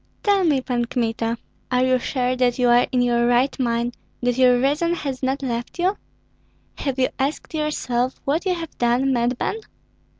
"Tell me, Pan Kmita, are you sure that you are in your right mind, that your reason has not left you? Have you asked yourself what you have done, madman?